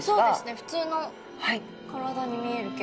ふつうの体に見えるけど。